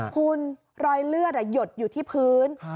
คุณรอยเลือดหยดอยู่ที่พื้น